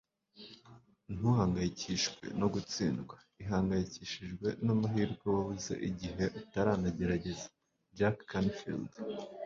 ntugahangayikishwe no gutsindwa, ihangayikishijwe n'amahirwe wabuze igihe utanagerageza. - jack canfield